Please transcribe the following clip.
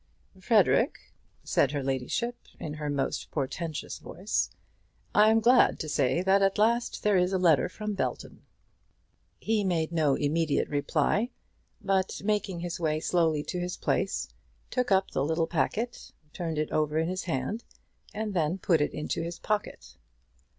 "Frederic," said her ladyship, in her most portentous voice, "I am glad to say that at last there is a letter from Belton." He made no immediate reply, but making his way slowly to his place, took up the little packet, turned it over in his hand, and then put it into his pocket.